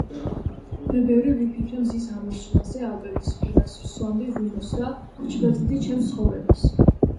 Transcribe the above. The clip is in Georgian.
მე ბევრი ვიფიქრე მზის ამოსვლაზე ალპების პირას ვსვამდი ღვინოს და ვჭვრეტდი ჩემს ცხოვრებას.